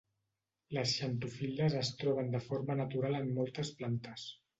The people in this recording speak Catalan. Les xantofil·les es troben de forma natural en moltes plantes.